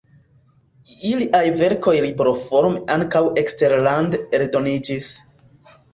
Iliaj verkoj libroforme ankaŭ eksterlande eldoniĝis.